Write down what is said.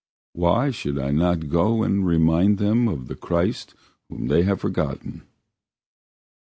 Why should I not go and remind them of the Christ whom they have forgotten?"